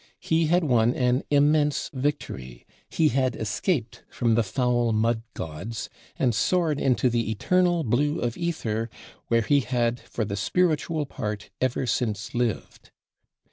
He had won "an immense victory"; he had escaped from the "foul mud gods" and soared into the "eternal blue of ether" where he had "for the spiritual part ever since lived."